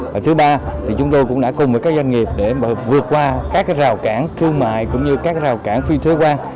và thứ ba thì chúng tôi cũng đã cùng với các doanh nghiệp để vượt qua các rào cản thương mại cũng như các rào cản phi thuế quan